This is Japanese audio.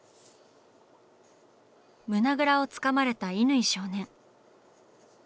胸ぐらをつかまれた乾少年。